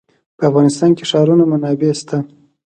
په افغانستان کې د ښارونه منابع شته.